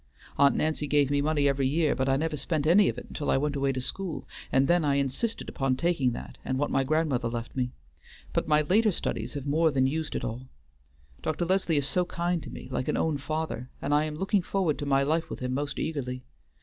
Aunt Nancy gave me money every year, but I never spent any of it until I went away to school, and then I insisted upon taking that and what my grandmother left me. But my later studies have more than used it all. Dr. Leslie is so kind to me, like an own father, and I am looking forward to my life with him most eagerly.